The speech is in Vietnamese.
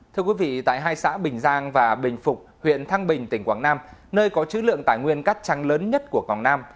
thưa quý vị tại hai xã bình giang và bình phục huyện thăng bình tỉnh quảng nam nơi có chữ lượng tài nguyên cắt trăng lớn nhất của quảng nam